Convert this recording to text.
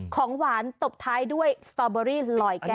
ของหวานตบท้ายด้วยสตอเบอรี่ลอยแก้ว